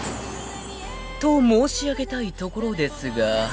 ［と申し上げたいところですが］